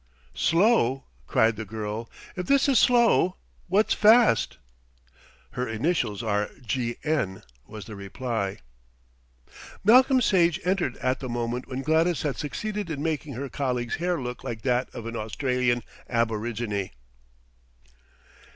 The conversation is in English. "Slow," cried the girl. "If this is slow, what's fast?" "Her initials are G. N.," was the reply. Malcolm Sage entered at the moment when Gladys had succeeded in making her colleague's hair look like that of an Australian aborigine.